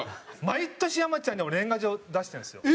毎年山ちゃんに年賀状出してるんですよ。